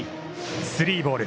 スリーボール。